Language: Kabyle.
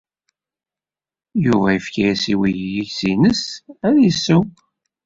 Yuba yefka-as i wayis-nnes ad isew.